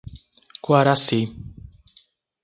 Coaraci